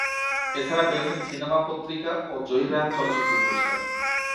এছাড়া পেয়েছেন সিনেমা পত্রিকা ও জহির রায়হান চলচ্চিত্র পুরস্কার।